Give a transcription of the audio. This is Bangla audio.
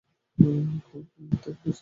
কাল খুব নৃত্য করেছি আমরা।